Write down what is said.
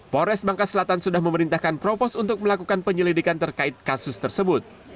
polres bangka selatan sudah memerintahkan propos untuk melakukan penyelidikan terkait kasus tersebut